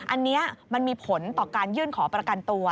อันนี้มันมีผลต่อการยื่นขอประกันตัว